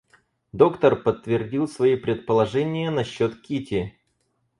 Доктор подтвердил свои предположения насчет Кити.